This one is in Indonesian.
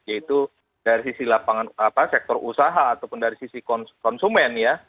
yaitu dari sisi sektor usaha ataupun dari sisi konsumen ya